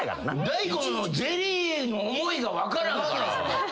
大悟のゼリーへの思いが分からんから。